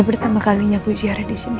ini pertama kalinya gue ziarah disini